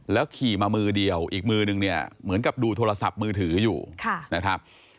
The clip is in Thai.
ขี่มามือเดียวอีกมือนึงเนี่ยเหมือนกับดูโทรศัพท์มือถืออยู่นะครับ